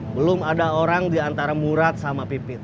belum ada orang di antara murat sama pipit